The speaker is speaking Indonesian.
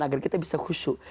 agar kita bisa khusyuk